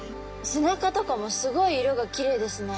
背中とかもすごい色がきれいですね。